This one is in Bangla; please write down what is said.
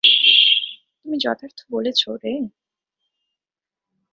তুমি যথার্থ বলেছো, রে!